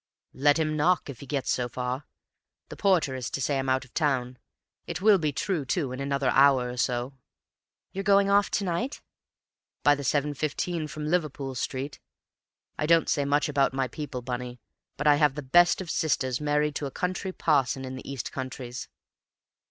"Let him knock if he gets so far. The porter is to say I'm out of town; it will be true, too, in another hour or so." "You're going off to night?" "By the 7.15 from Liverpool Street. I don't say much about my people, Bunny, but I have the best of sisters married to a country parson in the eastern counties.